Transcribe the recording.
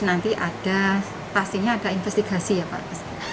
nanti ada pastinya ada investigasi ya pak